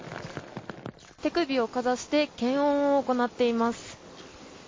手首をかざして検温を行っています。